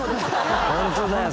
ホントだよ。